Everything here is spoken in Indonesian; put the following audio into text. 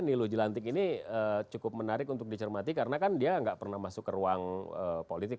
niluh jelantik ini cukup menarik untuk dicermati karena kan dia nggak pernah masuk ke ruang politik